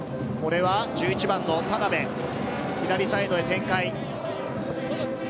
１１番の田邉、左サイドへ展開。